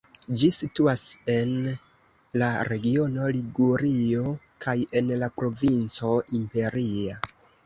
Ĝi situas en la regiono Ligurio kaj en la provinco Imperia.